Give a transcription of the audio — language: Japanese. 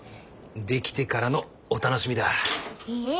出来てからのお楽しみだ。え！